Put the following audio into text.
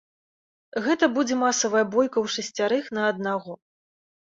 Гэта будзе масавая бойка ўшасцярых на аднаго.